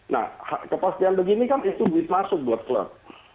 nah kepastian begini kan itu duit masuk buat klub